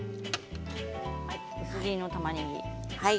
薄切りのたまねぎですね。